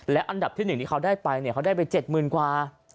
และอันดับที่๑ที่เขาได้ไปเขาได้ไป๗๐๐กว่า